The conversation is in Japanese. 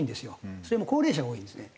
それも高齢者が多いんですね